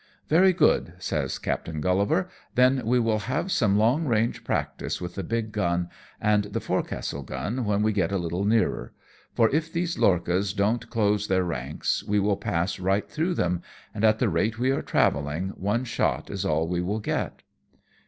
" Very good," says Captain Grullivar ;" then we will have some long range practice with the big gun and the forecastle gun when we get a little nearer ; for if these lorchas don't close their ranks we will pass right through them, and at the rate we are travelling one shot is all we will get."